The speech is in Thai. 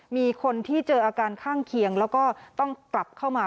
มีคนที่เจออาการข้างเคียงแล้วก็ต้องกลับเข้ามา